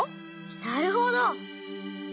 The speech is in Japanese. なるほど！